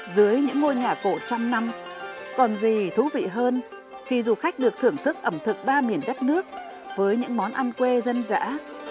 dưới những ngôi nhà cổ trăm năm còn gì thú vị hơn khi du khách được thưởng thức ẩm thực ba miền đất nước với những món ăn quê dân dã